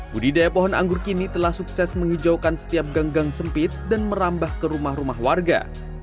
budidaya pohon anggur kini telah sukses menghijaukan setiap gang gang sempit dan merambah ke rumah rumah warga